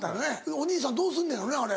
お兄さんどうすんのやろねあれ。